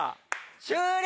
終了！